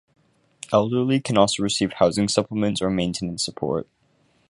Elderly can also receive housing supplements or maintenance support.